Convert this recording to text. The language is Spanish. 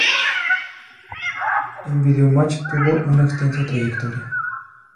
En Videomatch tuvo una extensa trayectoria.